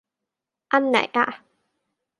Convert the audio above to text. อันไหนอ่ะ